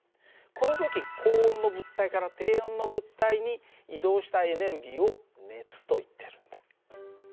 この時高温の物体から低温の物体に移動したエネルギーを熱といってるんだ。